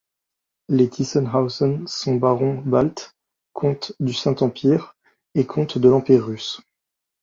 Les Tiesenhausen sont barons baltes, comtes du Saint-Empire, et comtes de l'Empire russe.